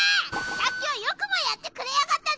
さっきはよくもやってくれやがったな